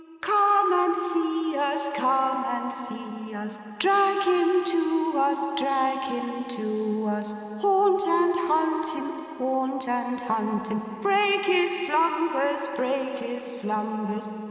Come and see us, come and see us, Drag him to us, drag him to us, Haunt and hunt him, haunt and hunt him, Break his slumbers, break his slumbers!